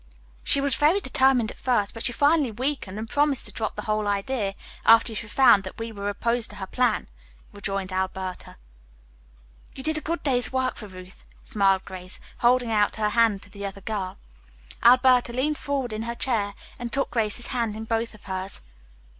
"She was very determined at first, but she finally weakened and promised to drop the whole idea after she found that we were opposed to her plan," rejoined Alberta. "You did a good day's work for Ruth," smiled Grace, holding out her hand to the other girl. Alberta leaned forward in her chair and took Grace's hand in both of hers.